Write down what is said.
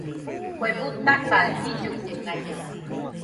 Kue butaka, jillugunaide.